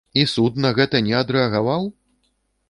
І суд на гэта не адрэагаваў?